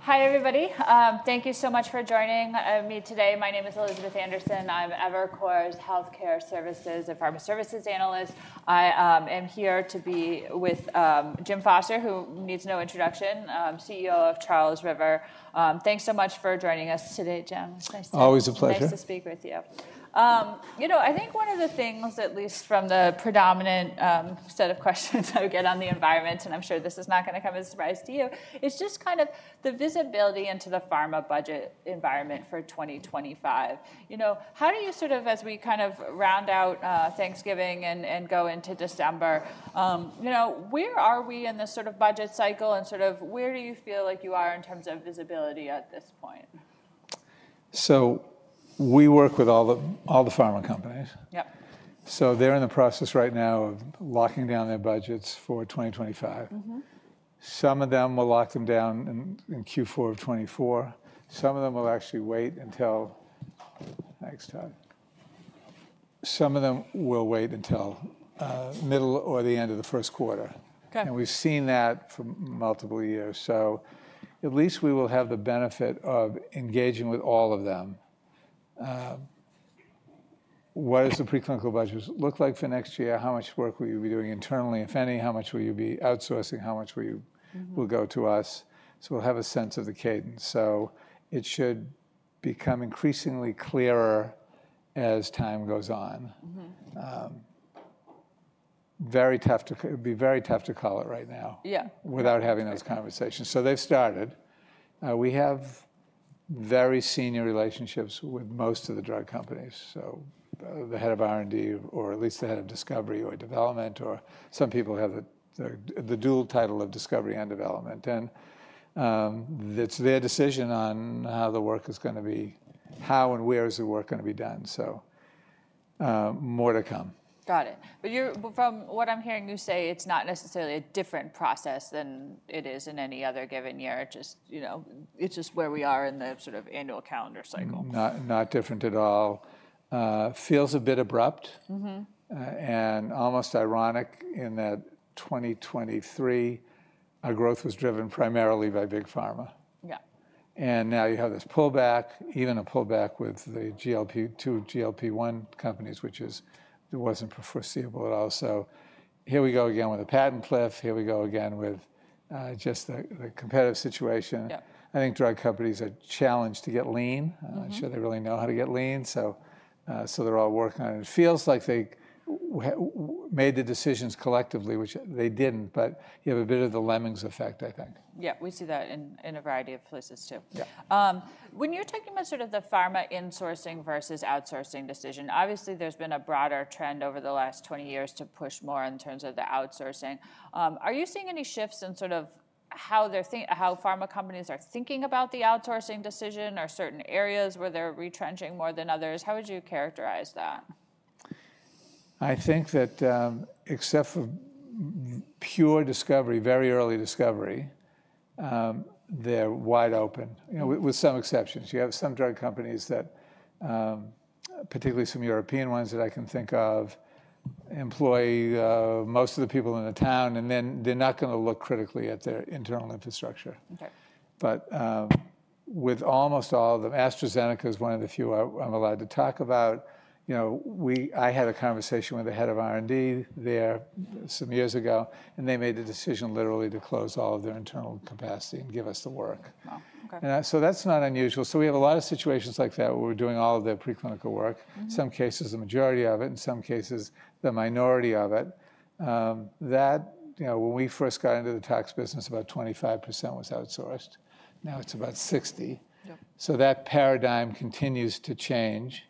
Hi, everybody. Thank you so much for joining me today. My name is Elizabeth Anderson. I'm Evercore's Healthcare Services and Pharma Services Analyst. I am here to be with Jim Foster, who needs no introduction, CEO of Charles River. Thanks so much for joining us today, Jim. It's nice to meet you. Always a pleasure. Nice to speak with you. You know, I think one of the things, at least from the predominant set of questions I get on the environment, and I'm sure this is not going to come as a surprise to you, is just kind of the visibility into the pharma budget environment for 2025. You know, how do you sort of, as we kind of round out Thanksgiving and go into December, you know, where are we in this sort of budget cycle and sort of where do you feel like you are in terms of visibility at this point? We work with all the pharma companies. Yep. So they're in the process right now of locking down their budgets for 2025. Some of them will lock them down in Q4 of 2024. Some of them will actually wait until next time. Some of them will wait until middle or the end of the first quarter. Okay. We've seen that for multiple years. At least we will have the benefit of engaging with all of them. What does the preclinical budget look like for next year? How much work will you be doing internally? If any, how much will you be outsourcing? How much will you go to us? We'll have a sense of the cadence. It should become increasingly clearer as time goes on. Very tough to call it right now. Yeah. Without having those conversations. So they've started. We have very senior relationships with most of the drug companies, so the head of R&D, or at least the head of discovery or development, or some people have the dual title of discovery and development. And it's their decision on how the work is going to be, how and where is the work going to be done. So more to come. Got it. But you're from what I'm hearing you say, it's not necessarily a different process than it is in any other given year. Just, you know, it's just where we are in the sort of annual calendar cycle. Not different at all. Feels a bit abrupt and almost ironic in that 2023, our growth was driven primarily by big pharma. Yeah. Now you have this pullback, even a pullback with the GLP-2, GLP-1 companies, which wasn't foreseeable at all. Here we go again with a patent cliff. Here we go again with just the competitive situation. Yeah. I think drug companies are challenged to get lean. I'm not sure they really know how to get lean. So they're all working on it. It feels like they made the decisions collectively, which they didn't, but you have a bit of the lemmings effect, I think. Yeah, we see that in a variety of places too. Yeah. When you're talking about sort of the pharma insourcing versus outsourcing decision, obviously there's been a broader trend over the last 20 years to push more in terms of the outsourcing. Are you seeing any shifts in sort of how they're thinking, how pharma companies are thinking about the outsourcing decision or certain areas where they're retrenching more than others? How would you characterize that? I think that except for pure discovery, very early discovery, they're wide open, you know, with some exceptions. You have some drug companies that, particularly some European ones that I can think of, employ most of the people in the town, and then they're not going to look critically at their internal infrastructure. Okay. But with almost all of them, AstraZeneca is one of the few I'm allowed to talk about. You know, I had a conversation with the head of R&D there some years ago, and they made the decision literally to close all of their internal capacity and give us the work. Wow. Okay. That's not unusual. We have a lot of situations like that where we're doing all of their preclinical work, in some cases the majority of it, in some cases the minority of it. That, you know, when we first got into the tox business, about 25% was outsourced. Now it's about 60%. Yep. So that paradigm continues to change.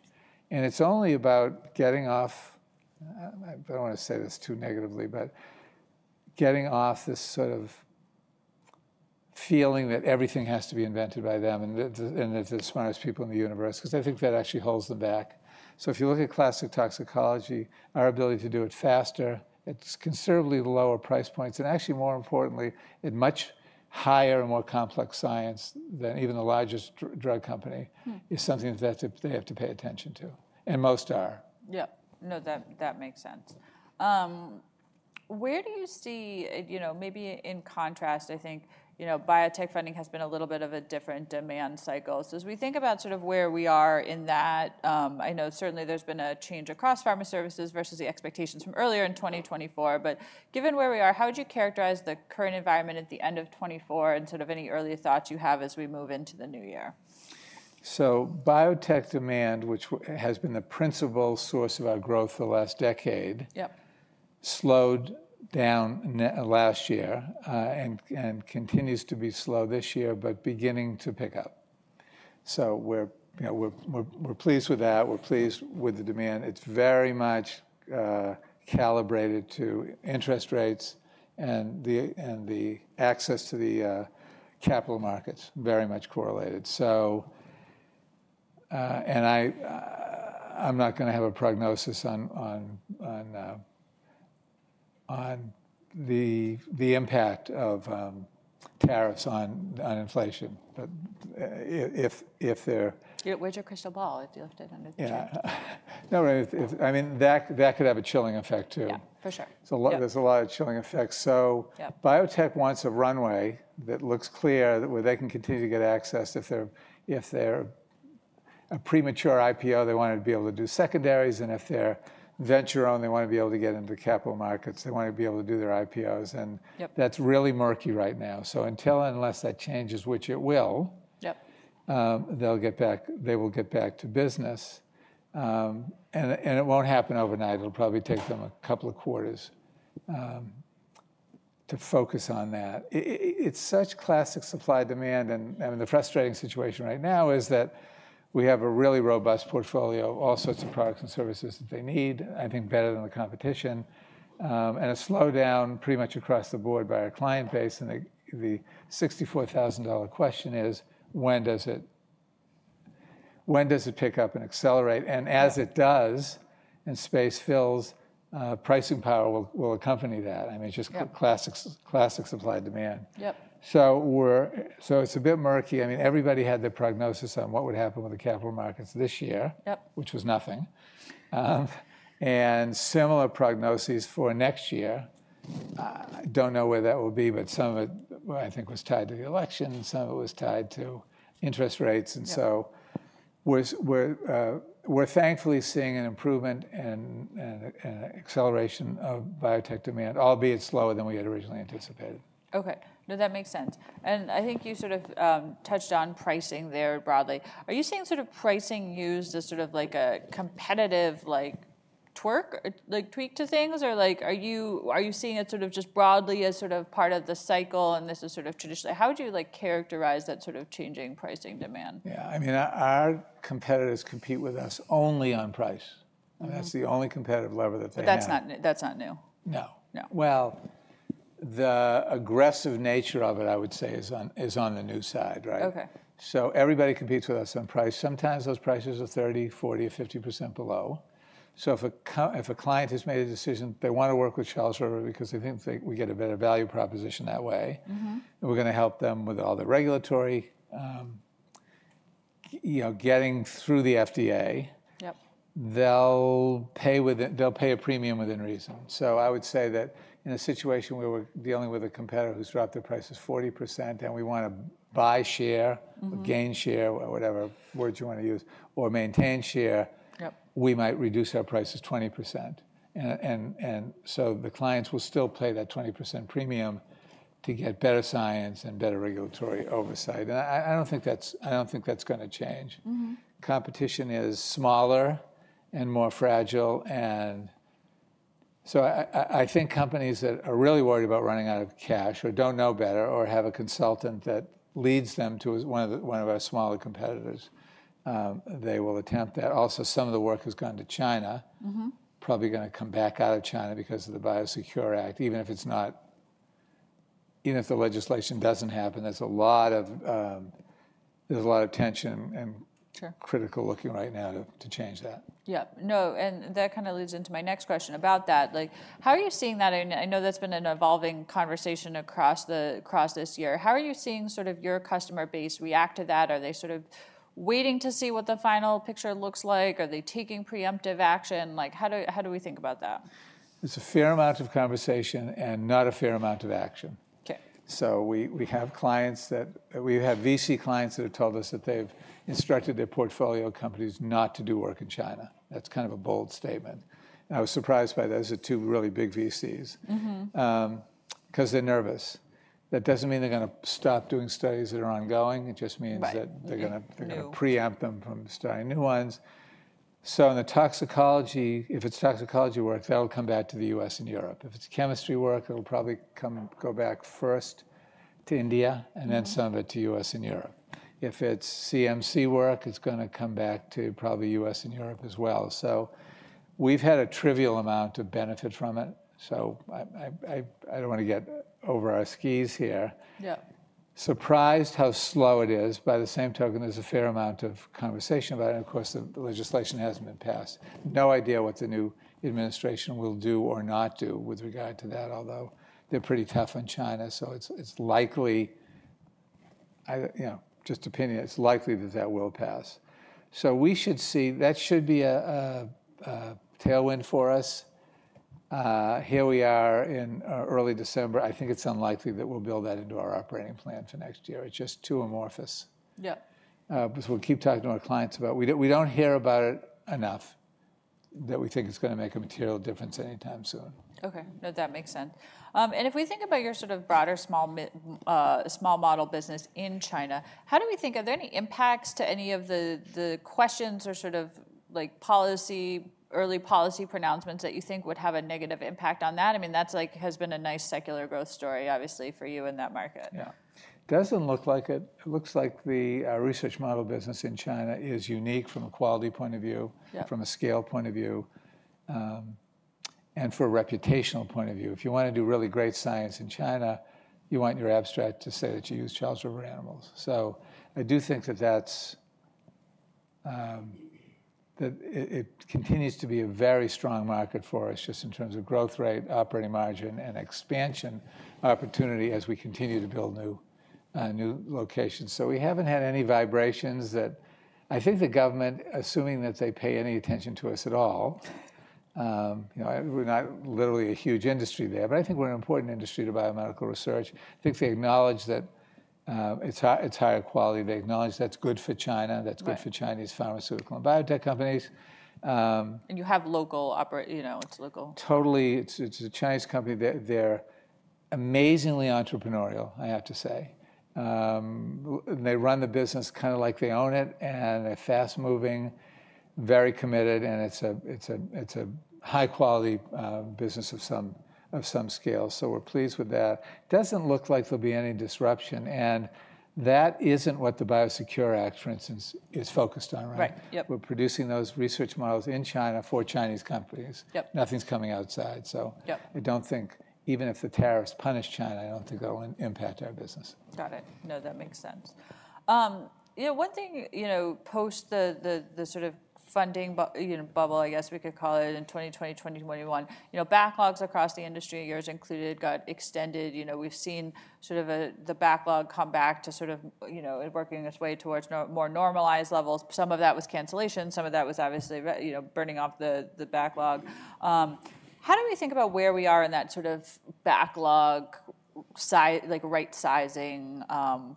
And it's only about getting off, I don't want to say this too negatively, but getting off this sort of feeling that everything has to be invented by them and that they're the smartest people in the universe, because I think that actually holds them back. So if you look at classic toxicology, our ability to do it faster, at considerably lower price points, and actually, more importantly, at much higher and more complex science than even the largest drug company, is something that they have to pay attention to. And most are. Yep. No, that makes sense. Where do you see, you know, maybe in contrast, I think, you know, biotech funding has been a little bit of a different demand cycle. So as we think about sort of where we are in that, I know certainly there's been a change across pharma services versus the expectations from earlier in 2024. But given where we are, how would you characterize the current environment at the end of 2024 and sort of any early thoughts you have as we move into the new year? So biotech demand, which has been the principal source of our growth for the last decade. Yep. Slowed down last year and continues to be slow this year, but beginning to pick up. So we're, you know, we're pleased with that. We're pleased with the demand. It's very much calibrated to interest rates and the access to the capital markets, very much correlated. So, and I'm not going to have a prognosis on the impact of tariffs on inflation, but if they're. You would wager crystal ball if you left it under the chair. Yeah. No, right. I mean, that could have a chilling effect too. Yeah, for sure. So there's a lot of chilling effects. So biotech wants a runway that looks clear where they can continue to get access. If they're a premature IPO, they want to be able to do secondaries. And if they're venture-owned, they want to be able to get into capital markets. They want to be able to do their IPOs. And that's really murky right now. So until and unless that changes, which it will, they'll get back, they will get back to business. And it won't happen overnight. It'll probably take them a couple of quarters to focus on that. It's such classic supply demand. And I mean, the frustrating situation right now is that we have a really robust portfolio of all sorts of products and services that they need, I think better than the competition. And a slowdown pretty much across the board by our client base. And the $64,000 question is, when does it pick up and accelerate? And as it does and space fills, pricing power will accompany that. I mean, just classic supply demand. Yep. So it's a bit murky. I mean, everybody had their prognosis on what would happen with the capital markets this year, which was nothing. And similar prognoses for next year. I don't know where that will be, but some of it, I think, was tied to the election. Some of it was tied to interest rates. And so we're thankfully seeing an improvement and acceleration of biotech demand, albeit slower than we had originally anticipated. Okay. No, that makes sense. I think you sort of touched on pricing there broadly. Are you seeing sort of pricing used as sort of like a competitive, like, tweak to things? Or like, are you seeing it sort of just broadly as sort of part of the cycle and this is sort of traditionally? How would you like characterize that sort of changing pricing demand? Yeah. I mean, our competitors compete with us only on price, and that's the only competitive lever that they have. But that's not new. No. No. The aggressive nature of it, I would say, is on the new side, right? Okay. So everybody competes with us on price. Sometimes those prices are 30, 40, or 50% below. So if a client has made a decision, they want to work with Charles River because they think we get a better value proposition that way, and we're going to help them with all the regulatory, you know, getting through the FDA, they'll pay a premium within reason. So I would say that in a situation where we're dealing with a competitor who's dropped their prices 40% and we want to buy share or gain share or whatever words you want to use or maintain share, we might reduce our prices 20%. And so the clients will still pay that 20% premium to get better science and better regulatory oversight. And I don't think that's going to change. Competition is smaller and more fragile. I think companies that are really worried about running out of cash or don't know better or have a consultant that leads them to one of our smaller competitors, they will attempt that. Also, some of the work has gone to China, probably going to come back out of China because of the Biosecure Act, even if it's not, even if the legislation doesn't happen. There's a lot of tension and critical looking right now to change that. Yeah. No, and that kind of leads into my next question about that. Like, how are you seeing that? I know that's been an evolving conversation across this year. How are you seeing sort of your customer base react to that? Are they sort of waiting to see what the final picture looks like? Are they taking preemptive action? Like, how do we think about that? It's a fair amount of conversation and not a fair amount of action. Okay. We have clients that we have VC clients that have told us that they've instructed their portfolio companies not to do work in China. That's kind of a bold statement. I was surprised by those two really big VCs because they're nervous. That doesn't mean they're going to stop doing studies that are ongoing. It just means that they're going to preempt them from starting new ones. In the toxicology, if it's toxicology work, that'll come back to the U.S. and Europe. If it's chemistry work, it'll probably go back first to India and then some of it to U.S. and Europe. If it's CMC work, it's going to come back to probably U.S. and Europe as well. We've had a trivial amount of benefit from it. I don't want to get over our skis here. Yeah. Surprised how slow it is. By the same token, there's a fair amount of conversation about it and of course, the legislation hasn't been passed. No idea what the new administration will do or not do with regard to that, although they're pretty tough on China, so it's likely, you know, just opinion, it's likely that that will pass, so we should see that should be a tailwind for us. Here we are in early December. I think it's unlikely that we'll build that into our operating plan for next year. It's just too amorphous. Yeah. Because we'll keep talking to our clients about we don't hear about it enough that we think it's going to make a material difference anytime soon. Okay. No, that makes sense. And if we think about your sort of broader small model business in China, how do we think, are there any impacts to any of the questions or sort of like policy, early policy pronouncements that you think would have a negative impact on that? I mean, that's like has been a nice secular growth story, obviously, for you in that market. Yeah. It doesn't look like it. It looks like the research model business in China is unique from a quality point of view, from a scale point of view, and for a reputational point of view. If you want to do really great science in China, you want your abstract to say that you use Charles River animals. So I do think that it continues to be a very strong market for us just in terms of growth rate, operating margin, and expansion opportunity as we continue to build new locations. So we haven't had any vibrations that I think the government, assuming that they pay any attention to us at all, you know, we're not literally a huge industry there, but I think we're an important industry to biomedical research. I think they acknowledge that it's higher quality. They acknowledge that's good for China. That's good for Chinese pharmaceutical and biotech companies. You have local operations, you know. It's local. Totally. It's a Chinese company. They're amazingly entrepreneurial, I have to say. And they run the business kind of like they own it, and they're fast-moving, very committed, and it's a high-quality business of some scale. So we're pleased with that. Doesn't look like there'll be any disruption. And that isn't what the Biosecure Act, for instance, is focused on, right? Right. Yep. We're producing those research models in China for Chinese companies. Yep. Nothing's coming outside. So I don't think, even if the tariffs punish China, I don't think it'll impact our business. Got it. No, that makes sense. You know, one thing, you know, post the sort of funding bubble, I guess we could call it in 2020, 2021, you know, backlogs across the industry, yours included, got extended. You know, we've seen sort of the backlog come back to sort of, you know, working its way towards more normalized levels. Some of that was cancellation. Some of that was obviously, you know, burning off the backlog. How do we think about where we are in that sort of backlog, like right-sizing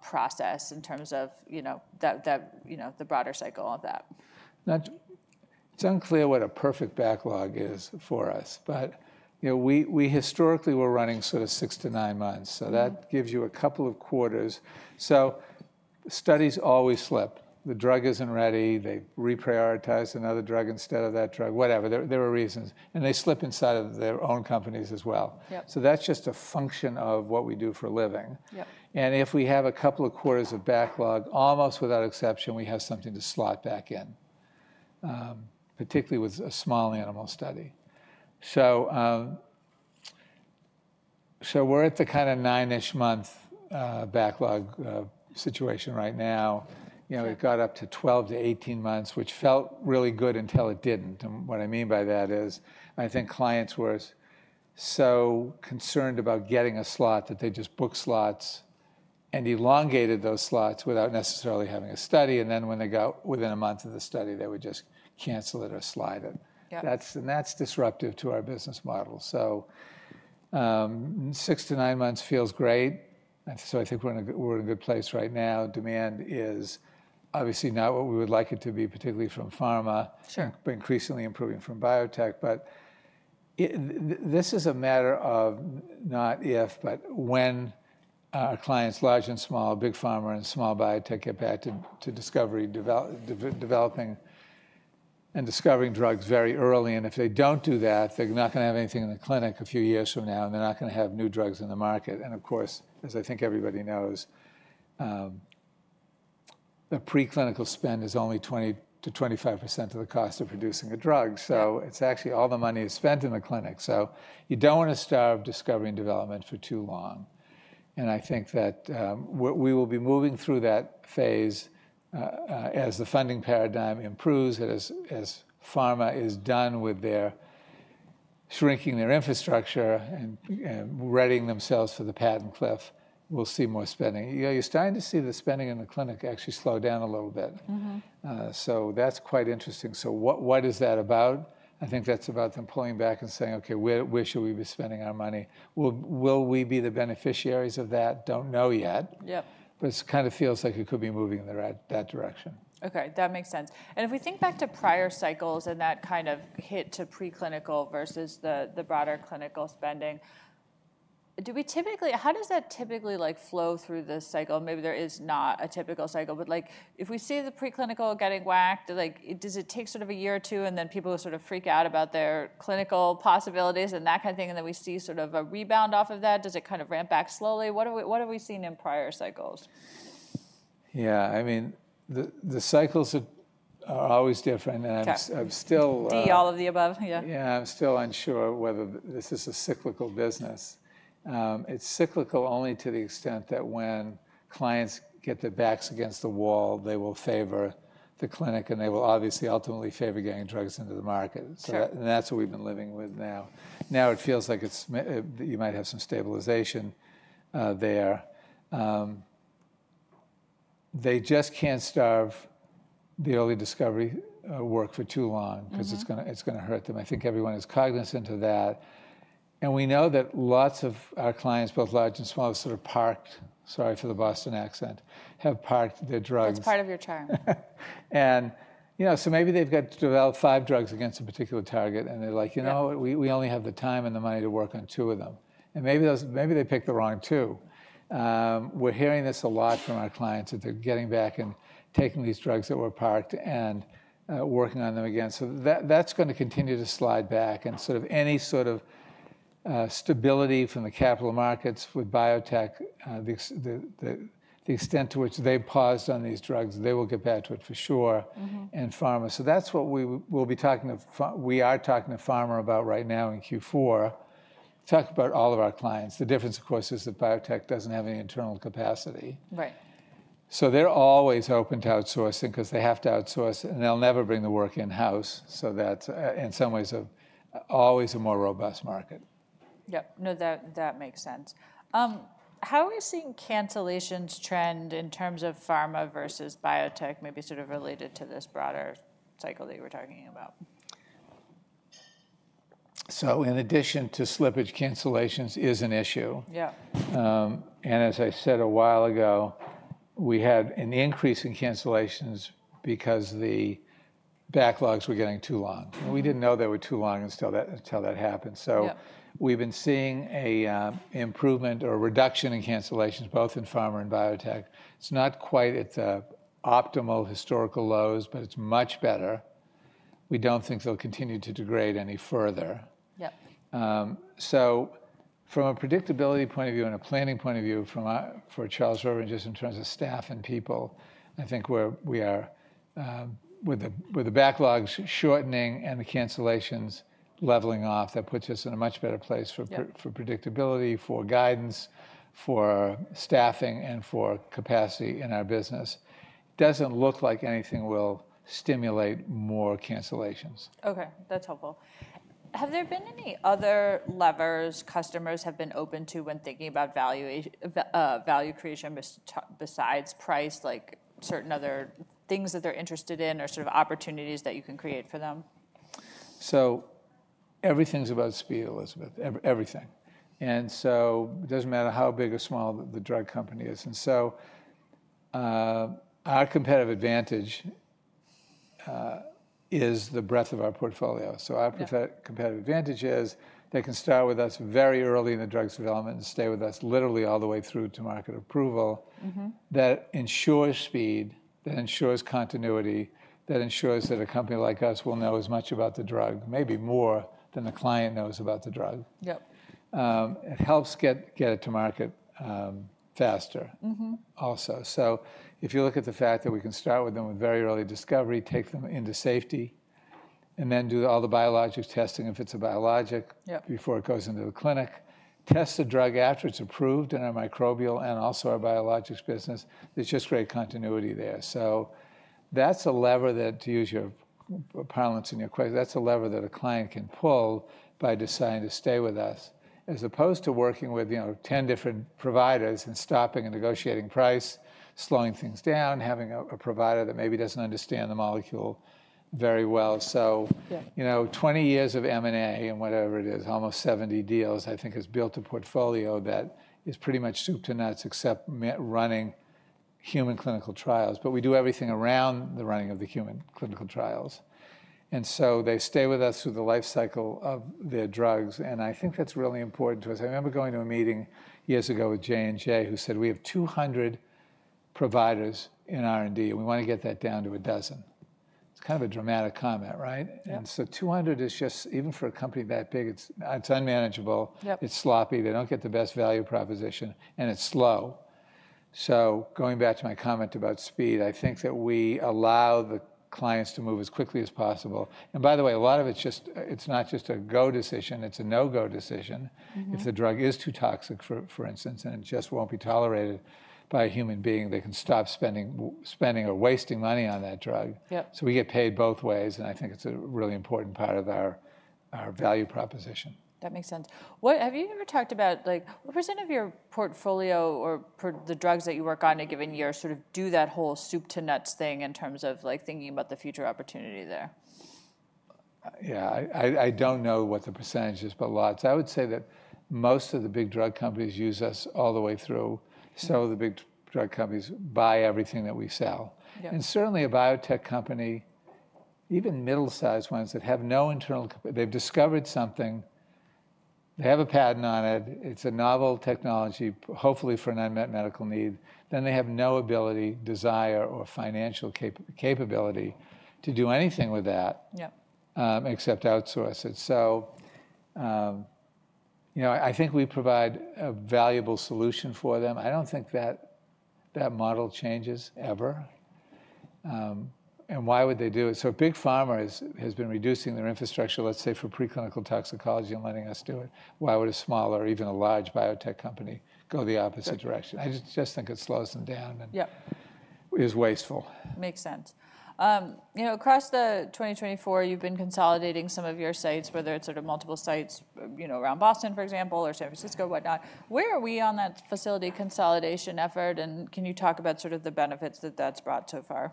process in terms of, you know, the broader cycle of that? It's unclear what a perfect backlog is for us, but, you know, we historically were running sort of six to nine months. So that gives you a couple of quarters. So studies always slip. The drug isn't ready. They reprioritize another drug instead of that drug, whatever. There are reasons. And they slip inside of their own companies as well. So that's just a function of what we do for a living. And if we have a couple of quarters of backlog, almost without exception, we have something to slot back in, particularly with a small animal study. So we're at the kind of nine-ish month backlog situation right now. You know, it got up to 12 to 18 months, which felt really good until it didn't. And what I mean by that is I think clients were so concerned about getting a slot that they just booked slots and elongated those slots without necessarily having a study. And then when they got within a month of the study, they would just cancel it or slide it. And that's disruptive to our business model. So six to nine months feels great. So I think we're in a good place right now. Demand is obviously not what we would like it to be, particularly from pharma, but increasingly improving from biotech. But this is a matter of not if, but when our clients, large and small, big pharma and small biotech, get back to discovery and discovering drugs very early. And if they don't do that, they're not going to have anything in the clinic a few years from now, and they're not going to have new drugs in the market. And of course, as I think everybody knows, the preclinical spend is only 20%-25% of the cost of producing a drug. So it's actually all the money is spent in the clinic. So you don't want to starve discovery and development for too long. And I think that we will be moving through that phase as the funding paradigm improves, as pharma is done with shrinking their infrastructure and readying themselves for the patent cliff, we'll see more spending. You're starting to see the spending in the clinic actually slow down a little bit. So that's quite interesting. So what is that about? I think that's about them pulling back and saying, "Okay, where should we be spending our money? Will we be the beneficiaries of that?" Don't know yet. But it kind of feels like it could be moving in that direction. Okay. That makes sense, and if we think back to prior cycles and that kind of hit to preclinical versus the broader clinical spending, do we typically, how does that typically like flow through this cycle? Maybe there is not a typical cycle, but like if we see the preclinical getting whacked, like does it take sort of a year or two and then people sort of freak out about their clinical possibilities and that kind of thing, and then we see sort of a rebound off of that? Does it kind of ramp back slowly? What have we seen in prior cycles? Yeah. I mean, the cycles are always different. Okay. D all of the above. Yeah. Yeah. I'm still unsure whether this is a cyclical business. It's cyclical only to the extent that when clients get their backs against the wall, they will favor the clinic, and they will obviously ultimately favor getting drugs into the market. And that's what we've been living with now. Now it feels like you might have some stabilization there. They just can't starve the early discovery work for too long because it's going to hurt them. I think everyone is cognizant of that. And we know that lots of our clients, both large and small, have sort of parked, sorry for the Boston accent, have parked their drugs. That's part of your charm. You know, so maybe they've got to develop five drugs against a particular target, and they're like, you know, we only have the time and the money to work on two of them. And maybe they pick the wrong two. We're hearing this a lot from our clients that they're getting back and taking these drugs that were parked and working on them again. So that's going to continue to slide back. And sort of any sort of stability from the capital markets with biotech, the extent to which they've paused on these drugs, they will get back to it for sure. And pharma. So that's what we will be talking to. We are talking to pharma about right now in Q4. Talk about all of our clients. The difference, of course, is that biotech doesn't have any internal capacity. Right. So they're always open to outsourcing because they have to outsource, and they'll never bring the work in-house. So that's in some ways always a more robust market. Yep. No, that makes sense. How are you seeing cancellations trend in terms of pharma versus biotech, maybe sort of related to this broader cycle that you were talking about? So in addition to slippage, cancellations is an issue. Yeah. As I said a while ago, we had an increase in cancellations because the backlogs were getting too long. We didn't know they were too long until that happened. We've been seeing an improvement or reduction in cancellations, both in pharma and biotech. It's not quite at the optimal historical lows, but it's much better. We don't think they'll continue to degrade any further. Yep. So from a predictability point of view and a planning point of view for Charles River, just in terms of staff and people, I think we are, with the backlogs shortening and the cancellations leveling off, that puts us in a much better place for predictability, for guidance, for staffing, and for capacity in our business. Doesn't look like anything will stimulate more cancellations. Okay. That's helpful. Have there been any other levers customers have been open to when thinking about value creation besides price, like certain other things that they're interested in or sort of opportunities that you can create for them? So everything's about speed, Elizabeth. Everything. And so it doesn't matter how big or small the drug company is. And so our competitive advantage is the breadth of our portfolio. So our competitive advantage is they can start with us very early in the drug's development and stay with us literally all the way through to market approval. That ensures speed, that ensures continuity, that ensures that a company like us will know as much about the drug, maybe more than the client knows about the drug. Yep. It helps get it to market faster also. So if you look at the fact that we can start with them with very early discovery, take them into safety, and then do all the biologics testing if it's a biologic before it goes into the clinic, test the drug after it's approved in our microbial and also our biologics business, there's just great continuity there. So that's a lever that, to use your parlance in your question, that's a lever that a client can pull by deciding to stay with us, as opposed to working with, you know, 10 different providers and stopping and negotiating price, slowing things down, having a provider that maybe doesn't understand the molecule very well. So, you know, 20 years of M&A and whatever it is, almost 70 deals, I think has built a portfolio that is pretty much soup to nuts except running human clinical trials. But we do everything around the running of the human clinical trials. And so they stay with us through the life cycle of their drugs. And I think that's really important to us. I remember going to a meeting years ago with J&J who said, "We have 200 providers in R&D, and we want to get that down to a dozen." It's kind of a dramatic comment, right? And so 200 is just, even for a company that big, it's unmanageable. It's sloppy. They don't get the best value proposition, and it's slow. So going back to my comment about speed, I think that we allow the clients to move as quickly as possible. And by the way, a lot of it's just, it's not just a go decision, it's a no-go decision. If the drug is too toxic, for instance, and it just won't be tolerated by a human being, they can stop spending or wasting money on that drug. So we get paid both ways, and I think it's a really important part of our value proposition. That makes sense. Have you ever talked about, like, what % of your portfolio or the drugs that you work on in a given year sort of do that whole soup to nuts thing in terms of like thinking about the future opportunity there? Yeah. I don't know what the percentage is, but lots. I would say that most of the big drug companies use us all the way through. So the big drug companies buy everything that we sell. And certainly a biotech company, even middle-sized ones that have no internal, they've discovered something, they have a patent on it, it's a novel technology, hopefully for an unmet medical need, then they have no ability, desire, or financial capability to do anything with that except outsource it. So, you know, I think we provide a valuable solution for them. I don't think that that model changes ever. And why would they do it? So a big pharma has been reducing their infrastructure, let's say for preclinical toxicology and letting us do it. Why would a small or even a large biotech company go the opposite direction? I just think it slows them down and is wasteful. Makes sense. You know, across the 2024, you've been consolidating some of your sites, whether it's sort of multiple sites, you know, around Boston, for example, or San Francisco, whatnot. Where are we on that facility consolidation effort? And can you talk about sort of the benefits that that's brought so far?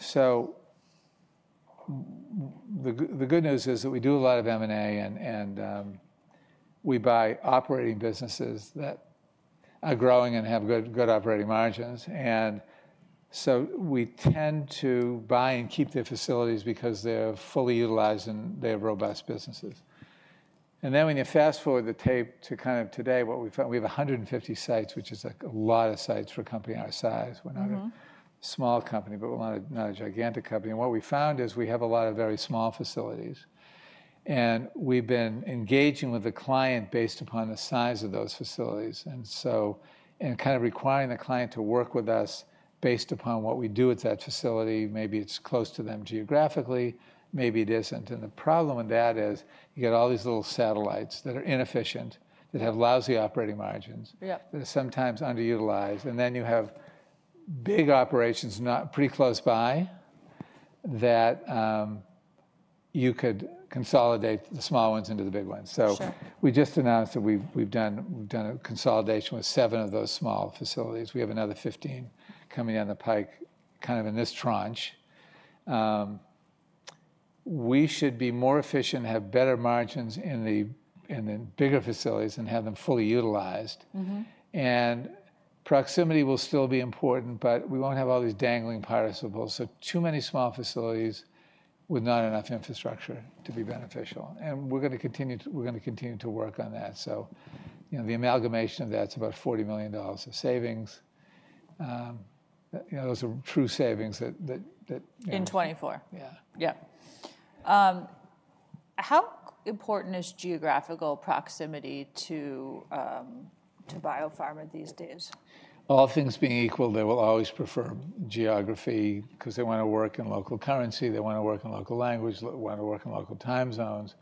Yeah. So the good news is that we do a lot of M&A and we buy operating businesses that are growing and have good operating margins. And so we tend to buy and keep their facilities because they're fully utilized and they have robust businesses. And then when you fast forward the tape to kind of today, what we found is we have 150 sites, which is a lot of sites for a company our size. We're not a small company, but we're not a gigantic company. And what we found is we have a lot of very small facilities. And we've been engaging with the client based upon the size of those facilities. And so kind of requiring the client to work with us based upon what we do at that facility, maybe it's close to them geographically, maybe it isn't. And the problem with that is you get all these little satellites that are inefficient, that have lousy operating margins, that are sometimes underutilized. And then you have big operations pretty close by that you could consolidate the small ones into the big ones. So we just announced that we've done a consolidation with seven of those small facilities. We have another 15 coming down the pike kind of in this tranche. We should be more efficient, have better margins in the bigger facilities and have them fully utilized. And proximity will still be important, but we won't have all these dangling various balls. So too many small facilities with not enough infrastructure to be beneficial. And we're going to continue to work on that. So, you know, the amalgamation of that's about $40 million of savings. You know, those are true savings that. In '24. Yeah. Yep. How important is geographical proximity to biopharma these days? All things being equal, they will always prefer geography because they want to work in local currency, they want to work in local language, they want to work in local time zones.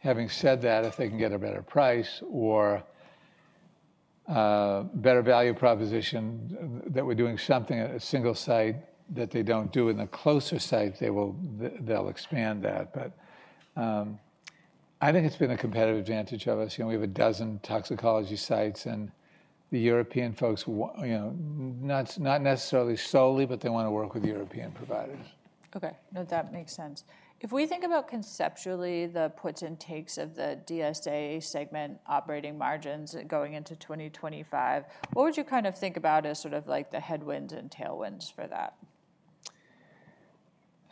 Having said that, if they can get a better price or better value proposition that we're doing something at a single site that they don't do in the closer site, they'll expand that. But I think it's been a competitive advantage of us. You know, we have a dozen toxicology sites and the European folks, you know, not necessarily solely, but they want to work with European providers. Okay. No, that makes sense. If we think about conceptually the puts and takes of the DSA segment operating margins going into 2025, what would you kind of think about as sort of like the headwinds and tailwinds for that?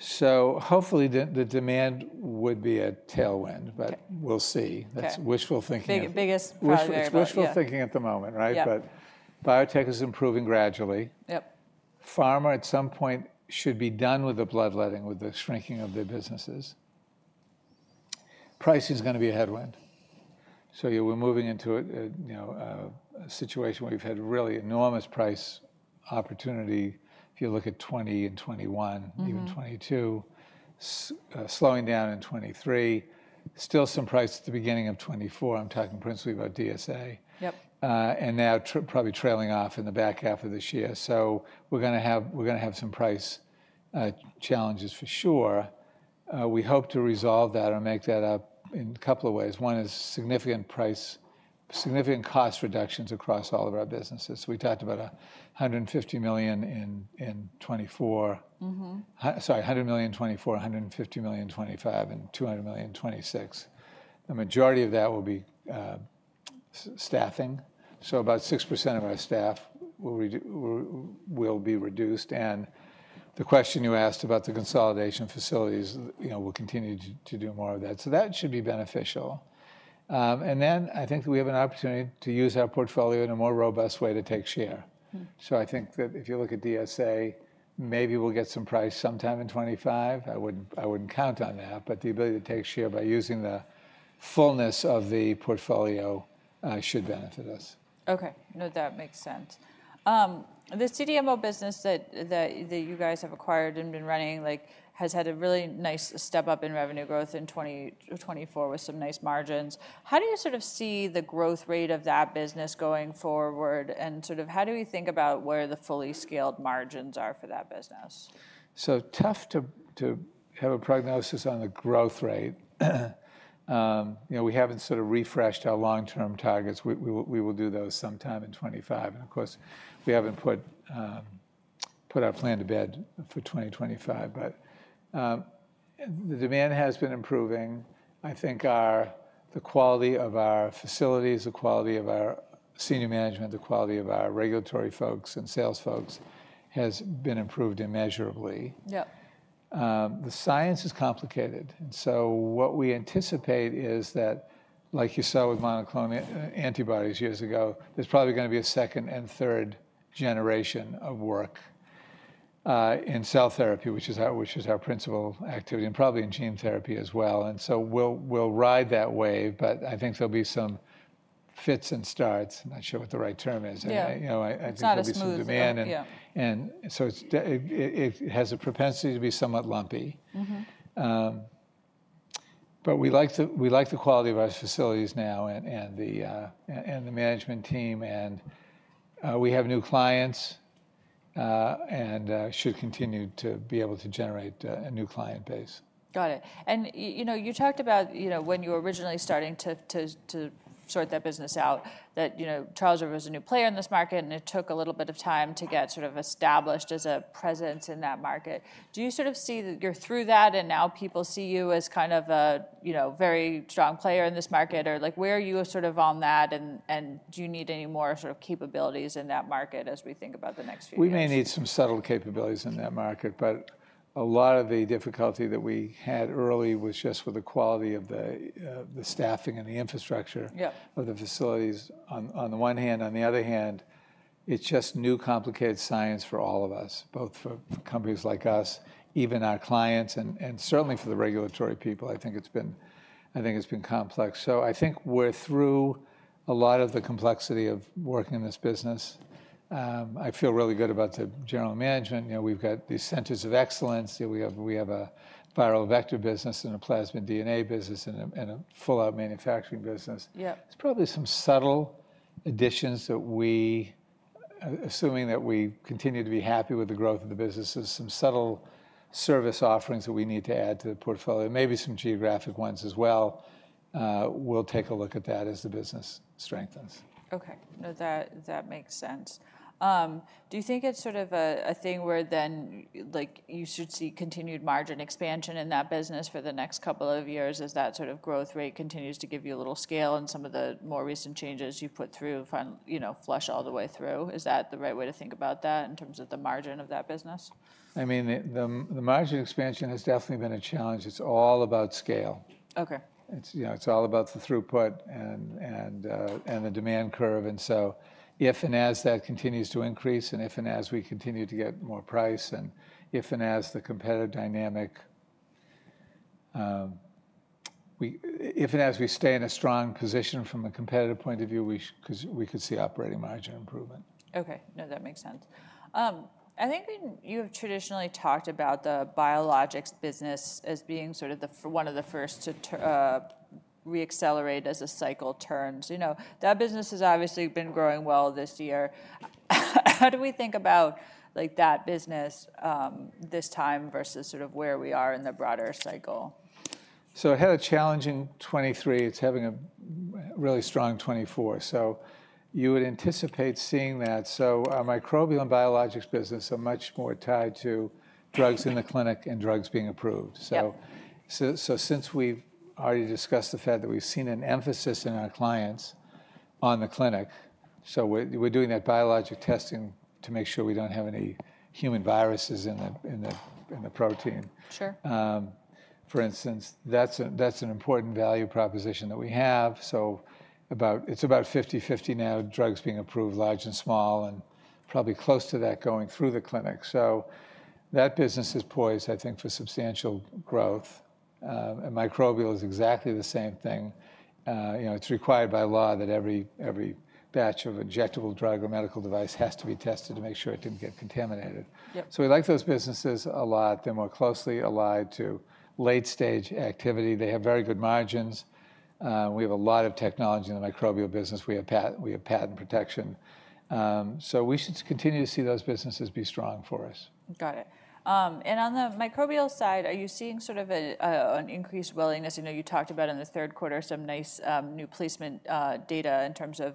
Hopefully the demand would be a tailwind, but we'll see. That's wishful thinking. Biggest positive wishful thinking at the moment, right? But biotech is improving gradually. Pharma at some point should be done with the bloodletting, with the shrinking of their businesses. Pricing is going to be a headwind. So we're moving into a situation where we've had really enormous price opportunity. If you look at 2020 and 2021, even 2022, slowing down in 2023, still some price at the beginning of 2024. I'm talking principally about DSA. And now probably trailing off in the back half of this year. So we're going to have some price challenges for sure. We hope to resolve that or make that up in a couple of ways. One is significant cost reductions across all of our businesses. We talked about $150 million in 2024, sorry, $100 million in 2024, $150 million in 2025, and $200 million in 2026. The majority of that will be staffing. About 6% of our staff will be reduced. The question you asked about the consolidation facilities, you know, we'll continue to do more of that. That should be beneficial. Then I think that we have an opportunity to use our portfolio in a more robust way to take share. I think that if you look at DSA, maybe we'll get some price sometime in 2025. I wouldn't count on that, but the ability to take share by using the fullness of the portfolio should benefit us. Okay. No, that makes sense. The CDMO business that you guys have acquired and been running has had a really nice step up in revenue growth in 2024 with some nice margins. How do you sort of see the growth rate of that business going forward? Sort of, how do we think about where the fully scaled margins are for that business? So tough to have a prognosis on the growth rate. You know, we haven't sort of refreshed our long-term targets. We will do those sometime in 2025. And of course, we haven't put our plan to bed for 2025. But the demand has been improving. I think the quality of our facilities, the quality of our senior management, the quality of our regulatory folks and sales folks has been improved immeasurably. The science is complicated. And so what we anticipate is that, like you saw with monoclonal antibodies years ago, there's probably going to be a second and third generation of work in cell therapy, which is our principal activity, and probably in gene therapy as well. And so we'll ride that wave, but I think there'll be some fits and starts. I'm not sure what the right term is. Yeah. It's not a smooth wave. It has a propensity to be somewhat lumpy. We like the quality of our facilities now and the management team. We have new clients and should continue to be able to generate a new client base. Got it. And you know, you talked about, you know, when you were originally starting to sort that business out, that, you know, Charles River was a new player in this market and it took a little bit of time to get sort of established as a presence in that market. Do you sort of see that you're through that and now people see you as kind of a, you know, very strong player in this market? Or like where are you sort of on that and do you need any more sort of capabilities in that market as we think about the next few years? We may need some subtle capabilities in that market, but a lot of the difficulty that we had early was just with the quality of the staffing and the infrastructure of the facilities on the one hand. On the other hand, it's just new complicated science for all of us, both for companies like us, even our clients, and certainly for the regulatory people. I think it's been complex. So I think we're through a lot of the complexity of working in this business. I feel really good about the general management. You know, we've got these centers of excellence. We have a viral vector business and a plasmid DNA business and a full-out manufacturing business. There's probably some subtle additions that we, assuming that we continue to be happy with the growth of the businesses, some subtle service offerings that we need to add to the portfolio, maybe some geographic ones as well. We'll take a look at that as the business strengthens. Okay. No, that makes sense. Do you think it's sort of a thing where then like you should see continued margin expansion in that business for the next couple of years as that sort of growth rate continues to give you a little scale and some of the more recent changes you put through, you know, flush all the way through? Is that the right way to think about that in terms of the margin of that business? I mean, the margin expansion has definitely been a challenge. It's all about scale. Okay. You know, it's all about the throughput and the demand curve. And so if and as that continues to increase, and if and as we continue to get more price, and if and as the competitive dynamic, if and as we stay in a strong position from a competitive point of view, we could see operating margin improvement. Okay. No, that makes sense. I think you have traditionally talked about the biologics business as being sort of one of the first to re-accelerate as a cycle turns. You know, that business has obviously been growing well this year. How do we think about like that business this time versus sort of where we are in the broader cycle? So it had a challenging 2023. It's having a really strong 2024. So you would anticipate seeing that. So our microbial and biologics business are much more tied to drugs in the clinic and drugs being approved. So since we've already discussed the fact that we've seen an emphasis in our clients on the clinic, so we're doing that biologic testing to make sure we don't have any human viruses in the protein. Sure. For instance, that's an important value proposition that we have. So it's about 50-50 now, drugs being approved, large and small, and probably close to that going through the clinic. So that business is poised, I think, for substantial growth. And microbial is exactly the same thing. You know, it's required by law that every batch of injectable drug or medical device has to be tested to make sure it didn't get contaminated. So we like those businesses a lot. They're more closely allied to late-stage activity. They have very good margins. We have a lot of technology in the microbial business. We have patent protection. So we should continue to see those businesses be strong for us. Got it. And on the microbial side, are you seeing sort of an increased willingness? I know you talked about in the third quarter some nice new placement data in terms of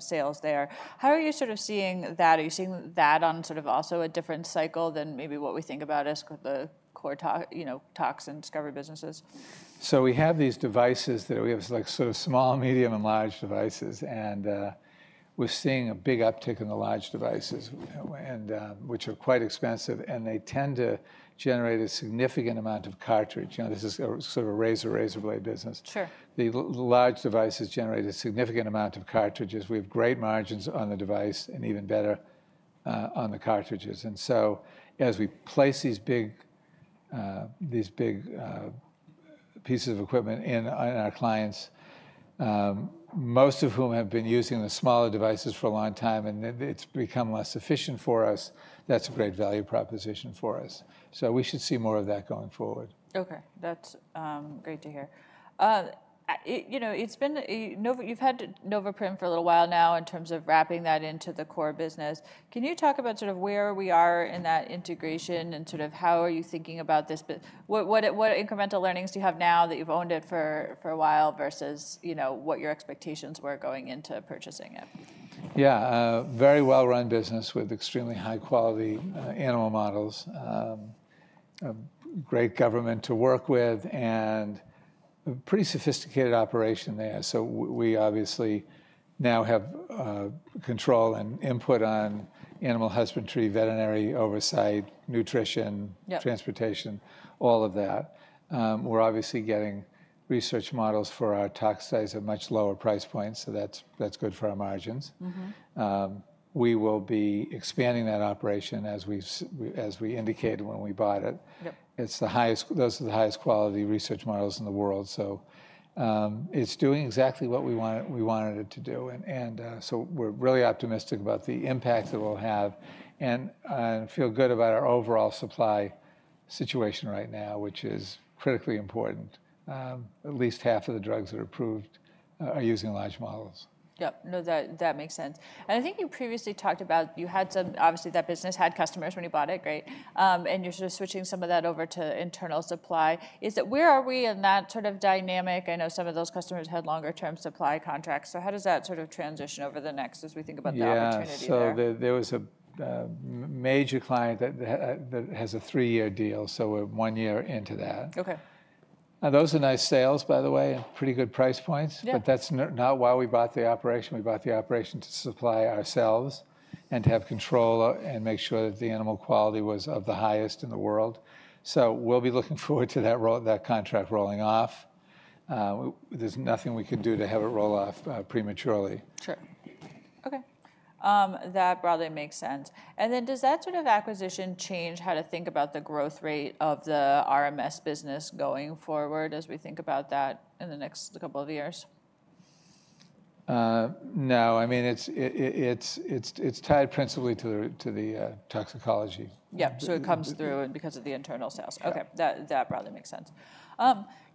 sales there. How are you sort of seeing that? Are you seeing that on sort of also a different cycle than maybe what we think about as the core toxicology discovery businesses? We have these devices that we have like sort of small, medium, and large devices. We're seeing a big uptick in the large devices, which are quite expensive. They tend to generate a significant amount of cartridge. You know, this is sort of a razor-razor blade business. Sure. The large devices generate a significant amount of cartridges. We have great margins on the device and even better on the cartridges, and so as we place these big pieces of equipment in our clients, most of whom have been using the smaller devices for a long time and it's become less efficient for us, that's a great value proposition for us, so we should see more of that going forward. Okay. That's great to hear. You know, you've had Noveprim for a little while now in terms of wrapping that into the core business. Can you talk about sort of where we are in that integration and sort of how are you thinking about this? What incremental learnings do you have now that you've owned it for a while versus what your expectations were going into purchasing it? Yeah. Very well-run business with extremely high-quality animal models. Great government to work with and a pretty sophisticated operation there. So we obviously now have control and input on animal husbandry, veterinary oversight, nutrition, transportation, all of that. We're obviously getting research models for our toxicology at much lower price points. So that's good for our margins. We will be expanding that operation as we indicated when we bought it. Those are the highest quality research models in the world. So it's doing exactly what we wanted it to do, and so we're really optimistic about the impact that we'll have and feel good about our overall supply situation right now, which is critically important. At least half of the drugs that are approved are using large models. Yep. No, that makes sense. And I think you previously talked about you had some, obviously that business had customers when you bought it, right? And you're sort of switching some of that over to internal supply. Is that where are we in that sort of dynamic? I know some of those customers had longer-term supply contracts. So how does that sort of transition over the next as we think about the opportunity there? Yeah. So there was a major client that has a three-year deal. So we're one year into that. Okay. Now, those are nice sales, by the way, and pretty good price points. But that's not why we bought the operation. We bought the operation to supply ourselves and to have control and make sure that the animal quality was of the highest in the world. So we'll be looking forward to that contract rolling off. There's nothing we can do to have it roll off prematurely. Sure. Okay. That broadly makes sense. And then does that sort of acquisition change how to think about the growth rate of the RMS business going forward as we think about that in the next couple of years? No. I mean, it's tied principally to the toxicology. Yeah. So it comes through because of the internal sales. Okay. That broadly makes sense.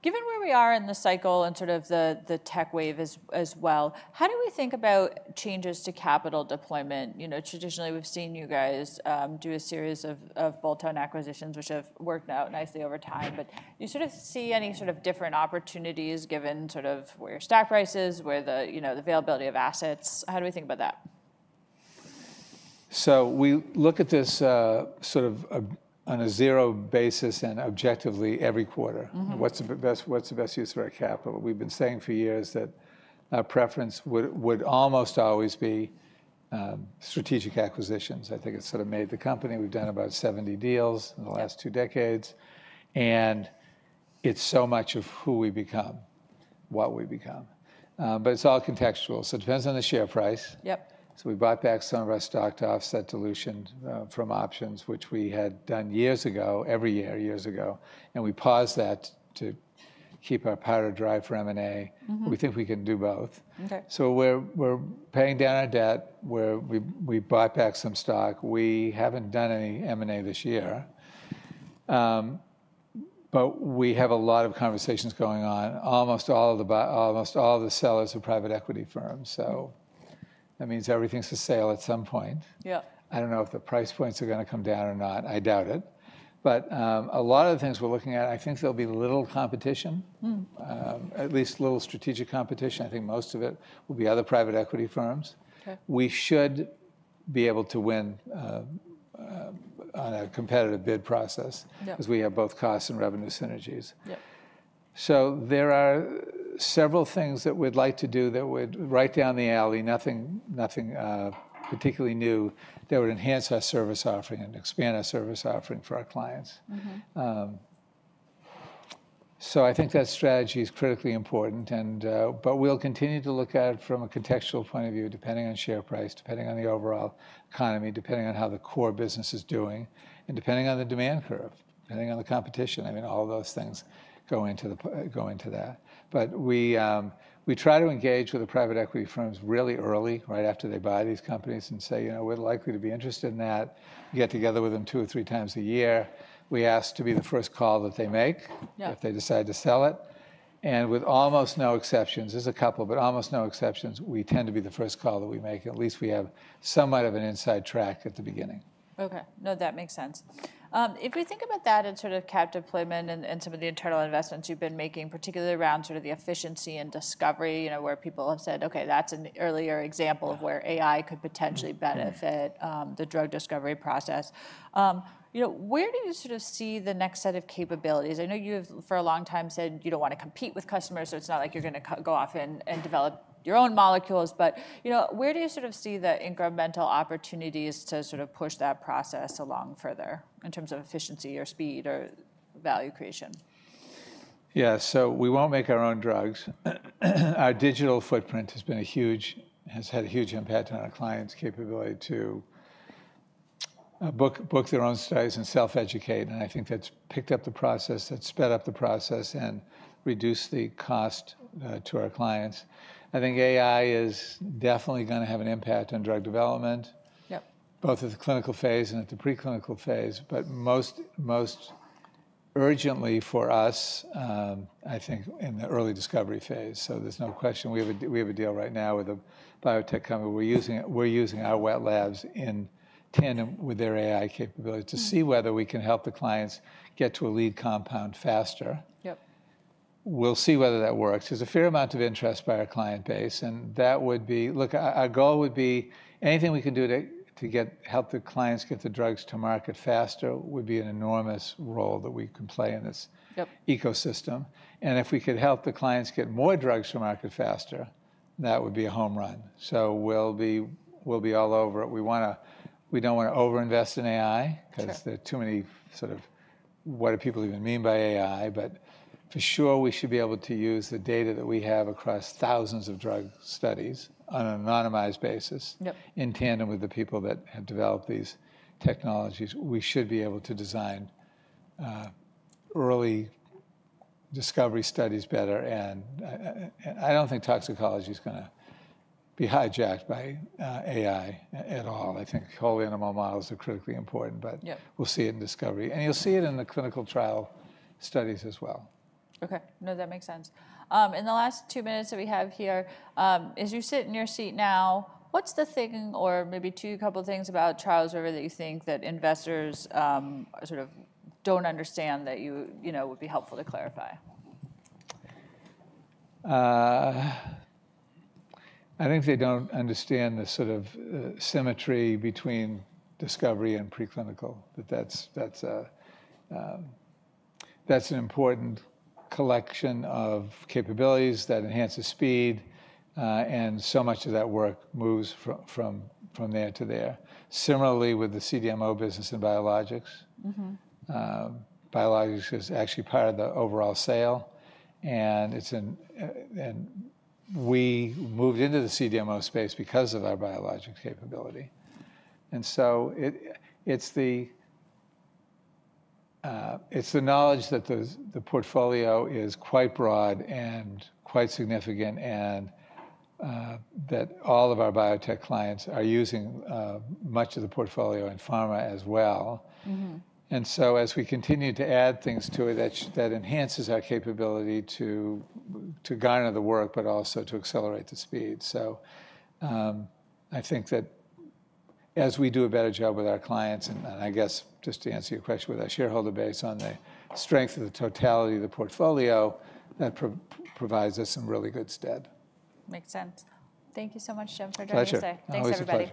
Given where we are in the cycle and sort of the tech wave as well, how do we think about changes to capital deployment? You know, traditionally we've seen you guys do a series of bolt-on acquisitions, which have worked out nicely over time. But do you sort of see any sort of different opportunities given sort of where your stock price is, where the availability of assets? How do we think about that? So we look at this sort of on a zero basis and objectively every quarter. What's the best use for our capital? We've been saying for years that our preference would almost always be strategic acquisitions. I think it's sort of made the company. We've done about 70 deals in the last two decades. And it's so much of who we become, what we become. But it's all contextual. So it depends on the share price. Yep. So we bought back some of our stock to offset dilution from options, which we had done years ago, every year, years ago. And we paused that to keep our powder dry for M&A. We think we can do both. So we're paying down our debt. We bought back some stock. We haven't done any M&A this year. But we have a lot of conversations going on. Almost all the sellers are private equity firms. So that means everything's for sale at some point. Yeah. I don't know if the price points are going to come down or not. I doubt it. But a lot of the things we're looking at, I think there'll be little competition, at least little strategic competition. I think most of it will be other private equity firms. We should be able to win on a competitive bid process because we have both costs and revenue synergies. Yep. There are several things that we'd like to do that would be right up our alley, nothing particularly new, that would enhance our service offering and expand our service offering for our clients. I think that strategy is critically important. We'll continue to look at it from a contextual point of view, depending on share price, depending on the overall economy, depending on how the core business is doing, and depending on the demand curve, depending on the competition. I mean, all those things go into that. We try to engage with the private equity firms really early, right after they buy these companies and say, you know, we're likely to be interested in that. We get together with them two or three times a year. We ask to be the first call that they make if they decide to sell it. With almost no exceptions, there's a couple, but almost no exceptions, we tend to be the first call that we make. At least we have somewhat of an inside track at the beginning. Okay. No, that makes sense. If we think about that and sort of captive deployment and some of the internal investments you've been making, particularly around sort of the efficiency and discovery, you know, where people have said, okay, that's an earlier example of where AI could potentially benefit the drug discovery process. You know, where do you sort of see the next set of capabilities? I know you have for a long time said you don't want to compete with customers. So it's not like you're going to go off and develop your own molecules. But you know, where do you sort of see the incremental opportunities to sort of push that process along further in terms of efficiency or speed or value creation? Yeah. So we won't make our own drugs. Our digital footprint has been a huge, has had a huge impact on our clients' capability to book their own studies and self-educate. And I think that's picked up the process, that's sped up the process and reduced the cost to our clients. I think AI is definitely going to have an impact on drug development, both at the clinical phase and at the preclinical phase, but most urgently for us, I think, in the early discovery phase. So there's no question. We have a deal right now with a biotech company. We're using our wet labs in tandem with their AI capabilities to see whether we can help the clients get to a lead compound faster. Yep. We'll see whether that works. There's a fair amount of interest by our client base. And that would be, look, our goal would be anything we can do to help the clients get the drugs to market faster would be an enormous role that we can play in this ecosystem. And if we could help the clients get more drugs to market faster, that would be a home run. So we'll be all over it. We don't want to overinvest in AI because there are too many sort of, what do people even mean by AI? But for sure, we should be able to use the data that we have across thousands of drug studies on an anonymized basis in tandem with the people that have developed these technologies. We should be able to design early discovery studies better. I don't think toxicology is going to be hijacked by AI at all. I think whole animal models are critically important, but we'll see it in discovery. You'll see it in the clinical trial studies as well. Okay. No, that makes sense. In the last two minutes that we have here, as you sit in your seat now, what's the thing or maybe two, couple of things about trials or whatever that you think that investors sort of don't understand that you would be helpful to clarify? I think they don't understand the sort of symmetry between discovery and preclinical, that that's an important collection of capabilities that enhances speed, and so much of that work moves from there to there. Similarly, with the CDMO business in biologics. Biologics is actually part of the overall sale, and we moved into the CDMO space because of our biologics capability, and so it's the knowledge that the portfolio is quite broad and quite significant and that all of our biotech clients are using much of the portfolio in pharma as well, and so as we continue to add things to it, that enhances our capability to garner the work, but also to accelerate the speed. I think that as we do a better job with our clients, and I guess just to answer your question with our shareholder base on the strength of the totality of the portfolio, that provides us some really good stead. Makes sense. Thank you so much, Jim Foster. Pleasure. Thanks everybody.